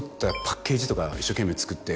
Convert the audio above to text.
パッケージとか一生懸命作って。